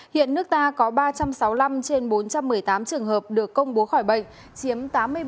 hiện nước ta có ba trăm sáu mươi năm trên bốn trăm một mươi tám trường hợp được công bố khỏi bệnh chiếm tám mươi ba